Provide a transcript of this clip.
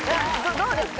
どうですか？